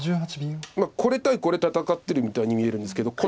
これ対これ戦ってるみたいに見えるんですけど。